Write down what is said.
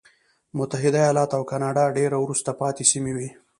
متحده ایالات او کاناډا ډېرې وروسته پاتې سیمې وې.